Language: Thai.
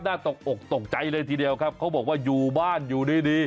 ตกอกตกใจเลยทีเดียวครับเขาบอกว่าอยู่บ้านอยู่ดีดี